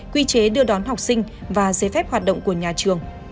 quy chế đưa đón học sinh và giấy phép hoạt động của nhà trường